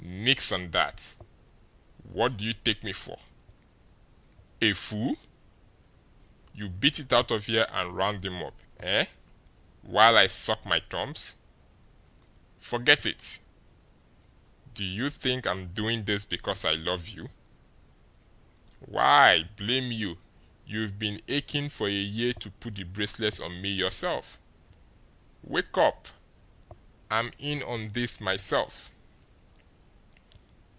"Nix on that! What do you take me for a fool? You beat it out of here and round him up eh while I suck my thumbs? Say, forget it! Do you think I'm doing this because I love you? Why, blame you, you've been aching for a year to put the bracelets on me yourself! Say, wake up! I'm in on this myself."